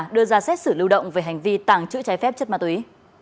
đưa ra xét xử lưu động về hành vi tàng trữ trái phép chất ma túy